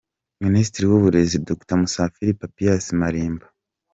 Minisitiri w’Uburezi, Dr Musafiri Papias Malimba.